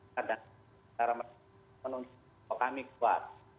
kadang menunjukkan bahwa kami kuat